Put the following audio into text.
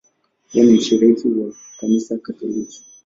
Yeye ni mshiriki wa Kanisa Katoliki.